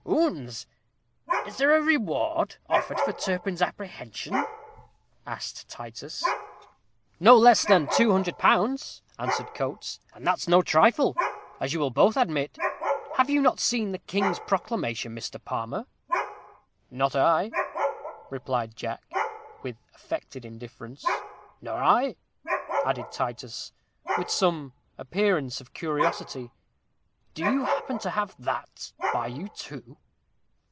"Oons, is there a reward offered for Turpin's apprehension?" asked Titus. "No less than two hundred pounds," answered Coates, "and that's no trifle, as you will both admit. Have you not seen the king's proclamation, Mr. Palmer?" "Not I," replied Jack, with affected indifference. "Nor I," added Titus, with some appearance of curiosity; "do you happen to have that by you too?"